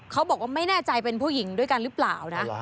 เขาบอกว่าไม่แน่ใจเป็นผู้หญิงด้วยกันหรือเปล่านะ